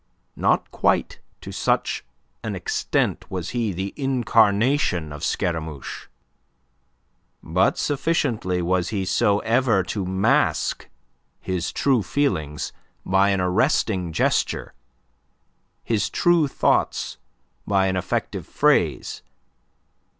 Not quite to such an extent was he the incarnation of Scaramouche. But sufficiently was he so ever to mask his true feelings by an arresting gesture, his true thoughts by an effective phrase.